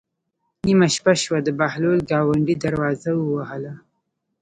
نیمه شپه شوه د بهلول ګاونډي دروازه ووهله.